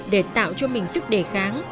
để tạo cho mình sức đề kháng